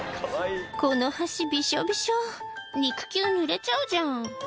「この橋びしょびしょ肉球ぬれちゃうじゃん」